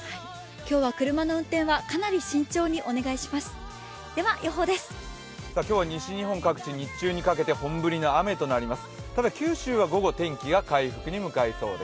今日は車の運転はかなり慎重にお願いします。